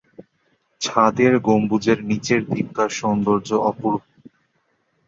ছাদের গম্বুজের নিচের দিককার সৌন্দর্য অপূর্ব।